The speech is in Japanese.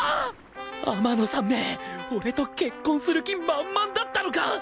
天野さんめ俺と結婚する気満々だったのか